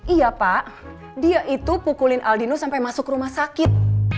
iya pak dia itu pukulin aldino sampai masuk rumah sakit